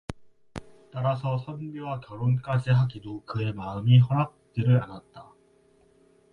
따라서 선비와 결혼까지 하기도 그 의 마음이 허락지를 않았다.